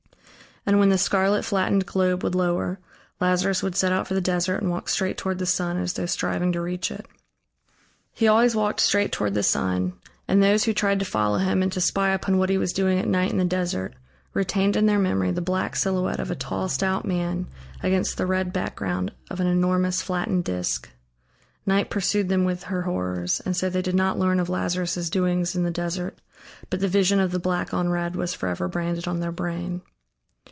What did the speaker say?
And when the scarlet, flattened globe would lower, Lazarus would set out for the desert and walk straight toward the sun, as though striving to reach it. He always walked straight toward the sun and those who tried to follow him and to spy upon what he was doing at night in the desert, retained in their memory the black silhouette of a tall stout man against the red background of an enormous flattened disc. Night pursued them with her horrors, and so they did not learn of Lazarus' doings in the desert, but the vision of the black on red was forever branded on their brain.